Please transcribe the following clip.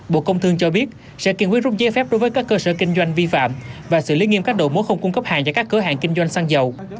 bộ công thương cho biết sẽ kiên quyết rút giấy phép đối với các cơ sở kinh doanh vi phạm và xử lý nghiêm các đồ mối không cung cấp hàng cho các cửa hàng kinh doanh xăng dầu